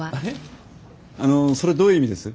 あのそれどういう意味です？